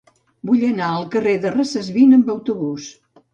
Vull anar al carrer de Recesvint amb autobús.